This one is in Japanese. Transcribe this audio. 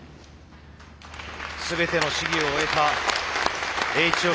全ての試技を終えたＨ置